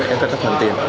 em phải thật hoàn thiện